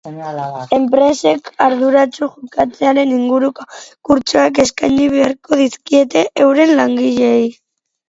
Enpresek arduratsu jokatzearen inguruko kurtsoak eskaini beharko dizkiete euren langileei.